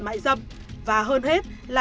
mại dâm và hơn hết là